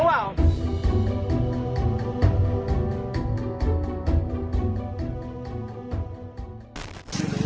แบบเมื่อกี๊